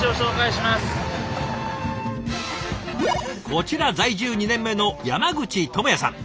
こちら在住２年目の山口智也さん。